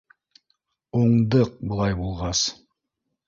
— Уңдыҡ былай булғас.